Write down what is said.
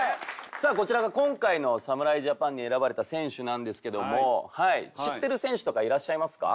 さあこちらが今回の侍ジャパンに選ばれた選手なんですけども知ってる選手とかいらっしゃいますか？